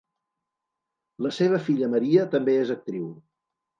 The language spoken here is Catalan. La seva filla Maria també és actriu.